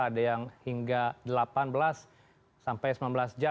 ada yang hingga delapan belas sampai sembilan belas jam